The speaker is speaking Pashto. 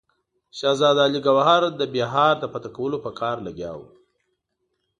شهزاده علي ګوهر د بیهار د فتح کولو په کار لګیا وو.